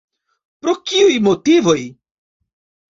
Pro kiuj motivoj?